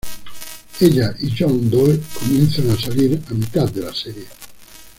Ella y John Doe comienzan a salir a mitad de la serie.